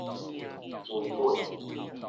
錢本